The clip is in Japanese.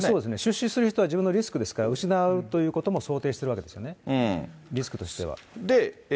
そうですね。出資する人は自分のリスクですから、失うということも想定してるわけですよね、リスクとしては。